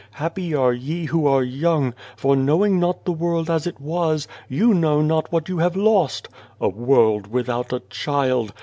Happy are ye who are young, for knowing not the world as it was, you know not what you have lost. A world without a child